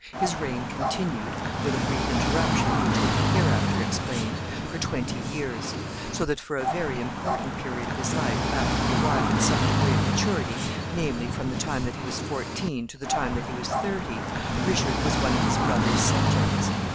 His reign continued with a brief interruption, which will be hereafter explained for twenty years; so that, for a very important period of his life, after he arrived at some degree of maturity, namely, from the time that he was fourteen to the time that he was thirty, Richard was one of his brother's subjects.